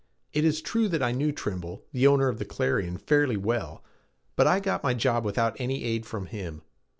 It is true that I knew Trimble, the owner of the Clarion, fairly well, but I got my job without any aid from him.